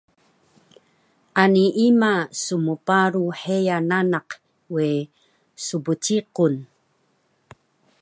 Ani ima smparu heya nanak we sbciqun